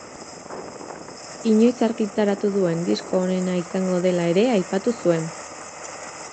Inoiz argitaratu duen disko onena izango dela ere aipatu zuen.